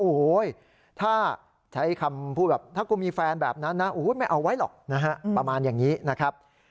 โอ้โหถ้าใช้คำพูดแบบถ้ากูมีแฟนแบบนั้นนะไม่เอาไว้หรอกนะฮะประมาณอย่างนี้นะครับ